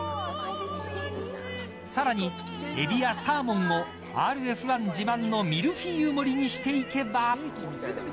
さらにエビやサーモンもＲＦ１自慢のミルフィーユ盛りにしていけば。